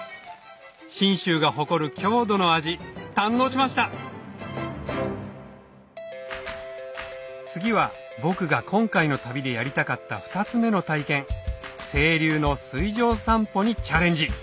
信州が誇る郷土の味堪能しました次は僕が今回の旅でやりたかった２つ目の体験清流の水上散歩にチャレンジ